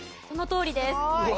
そのとおりです。